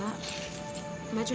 ya aduk juga